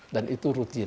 dan itu rutin